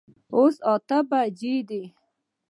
اوس اته بجي دي